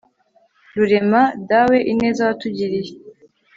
rurema, dawe ineza watugiriye